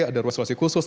ada ruang isolasi khusus